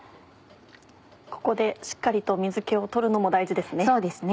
ここでしっかりと水気を取るのも大事ですね。